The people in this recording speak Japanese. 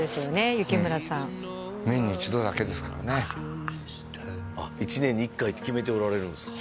「幸村」さん年に一度だけですからね一年に一回って決めておられるんですか